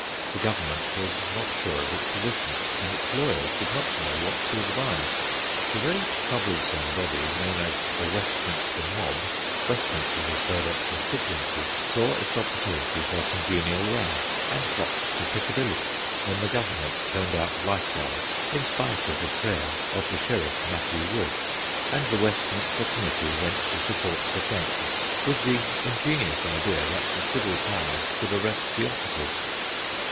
The Government was not sure of its position, and its lawyers did not know what to advise. AND HIS ADMIRERS 247 The very troublesome body known as * the Westminster mob ' Westminster was Bur dett's constituency saw its opportunity for a congenial row and flocked to Piccadilly. Then the Government turned out Life Guards, in spite of the prayer of the Sheriff Matthew Wood, and the Westminster Com mittee went to support Sir Francis with the ingenious idea that the civil powers should arrest the officers.